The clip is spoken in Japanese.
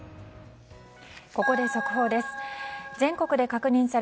ここで速報です。